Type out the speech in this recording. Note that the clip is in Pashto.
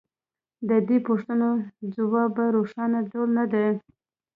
د دې پوښتنو ځواب په روښانه ډول نه دی